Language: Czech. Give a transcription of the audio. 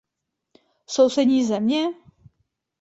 Sousední země?